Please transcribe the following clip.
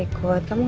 baik pak bos